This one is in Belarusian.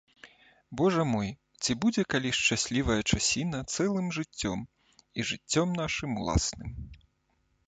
Божа мой, ці будзе калі шчаслівая часіна цэлым жыццём, і жыццём нашым уласным.